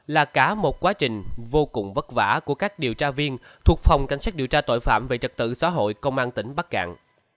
là cả một quá trình vô cùng vất vả của các điều tra viên thuộc phòng cảnh sát điều tra tội phạm về trật tự xã hội công an tỉnh bắc cạn